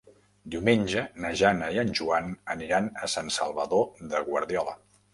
Diumenge na Jana i en Joan aniran a Sant Salvador de Guardiola.